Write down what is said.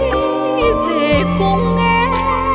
đợi người đi về cùng em